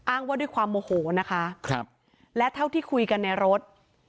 ว่าด้วยความโมโหนะคะครับและเท่าที่คุยกันในรถ